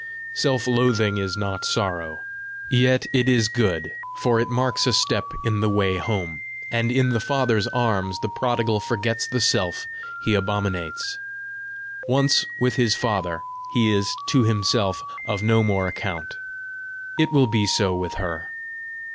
Self loathing is not sorrow. Yet it is good, for it marks a step in the way home, and in the father's arms the prodigal forgets the self he abominates. Once with his father, he is to himself of no more account. It will be so with her."